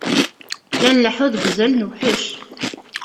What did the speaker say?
La nleḥḥu deg uzal, newḥec.